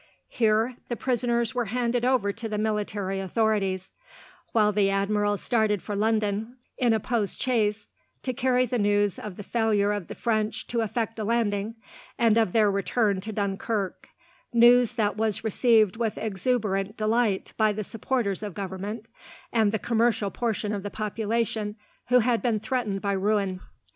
Here the prisoners were handed over to the military authorities; while the admiral started for London, in a post chaise, to carry the news of the failure of the French to effect a landing, and of their return to Dunkirk, news that was received with exuberant delight by the supporters of Government, and the commercial portion of the population, who had been threatened by ruin.